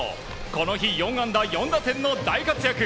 この日、４安打４打点の大活躍。